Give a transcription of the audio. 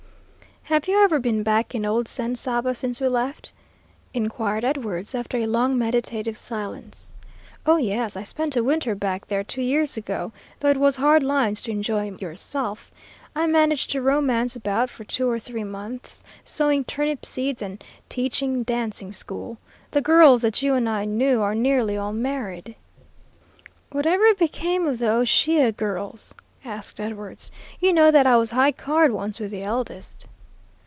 "Have you ever been back in old San Saba since we left?" inquired Edwards after a long meditative silence. "Oh, yes, I spent a winter back there two years ago, though it was hard lines to enjoy yourself. I managed to romance about for two or three months, sowing turnip seed and teaching dancing school. The girls that you and I knew are nearly all married." "What ever became of the O'Shea girls?" asked Edwards. "You know that I was high card once with the eldest."